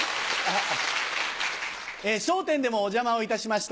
『笑点』でもお邪魔をいたしました